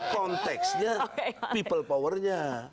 konteksnya people powernya